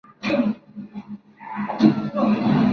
La pareja tuvo tres hijos: Rebeca, David, y Javier.